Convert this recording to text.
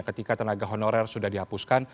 ketika tenaga honorer sudah dihapuskan